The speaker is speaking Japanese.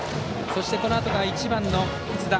そして、このあとが１番の津田。